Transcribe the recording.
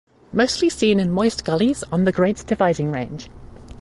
Mostly seen in moist gullies on the Great Dividing Range.